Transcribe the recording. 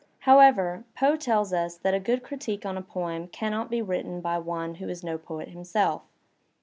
However, Poe tells us that a good critique on a poem cannot be written by one who is no poet himself.